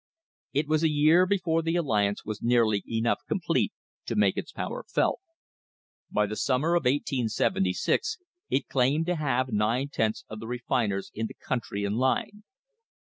It was a year before the alliance was nearly enough complete to make its power felt. By the summer of 1876 it claimed to have nine tenths of the refiners in the country in line.